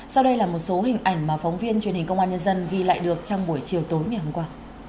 sau đây là một số hình ảnh mà phóng viên truyền hình công an nhân dân ghi lại được trong buổi chiều tối ngày hôm qua